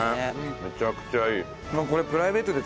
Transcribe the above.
めちゃくちゃいい。